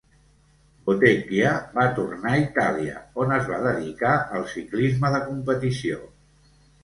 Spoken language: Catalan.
Bottecchia va tornar a Itàlia, on es va dedicar al ciclisme de competició.